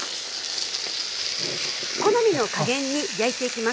好みの加減に焼いていきます。